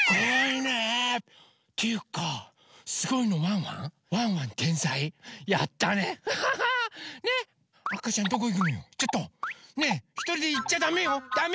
ねえひとりでいっちゃダメよダメ！